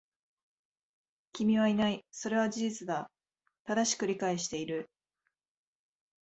君はいない。それは事実だ。正しく理解している。